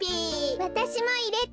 わたしもいれて。